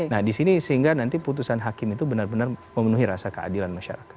nah di sini sehingga nanti putusan hakim itu benar benar memenuhi rasa keadilan masyarakat